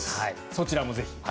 そちらもぜひ。